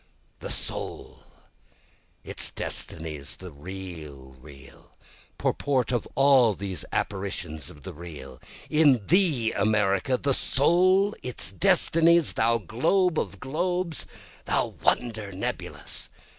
The soul, its destinies, the real real, (Purport of all these apparitions of the real;) In thee America, the soul, its destinies, Thou globe of globes! thou wonder nebulous!